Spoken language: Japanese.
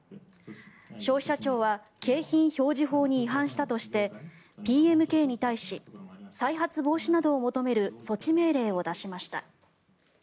消費者庁は景品表示法に違反したとしてＰＭＫに対し再発防止などを求める措置命令を出しました。